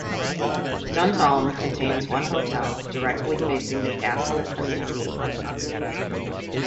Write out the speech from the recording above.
Duntulm contains one hotel, directly facing the castle and the sea.